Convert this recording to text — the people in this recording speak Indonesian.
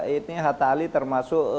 ini hatta ali termasuk